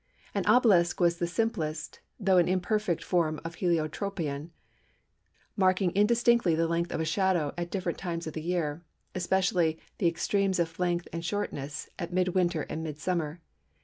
An obelisk was the simplest, though an imperfect form of Heliotropion, marking indistinctly the length of a shadow at different times of the year, especially the extremes of length and shortness at mid winter and mid summer.